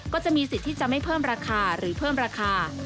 ก็จะมีสิทธิ์ที่จะไม่เพิ่มราคาหรือเพิ่มราคา